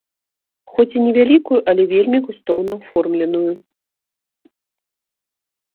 Хоць і невялікую, але вельмі густоўна аформленую.